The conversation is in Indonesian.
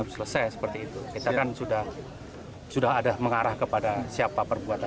selesai seperti itu kita kan sudah sudah ada mengarah kepada siapa perbuatan